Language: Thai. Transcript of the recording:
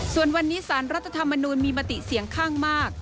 ส่วนวันนี้สารรัฐธรรมนูลมีมติเสียงข้างมาก